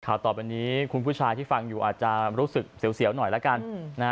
ต่อไปนี้คุณผู้ชายที่ฟังอยู่อาจจะรู้สึกเสียวหน่อยละกัน